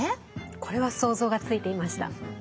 これは想像がついていました。